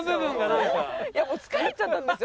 いやもう疲れちゃったんですよ